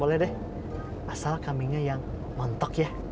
boleh deh asal kambingnya yang montok ya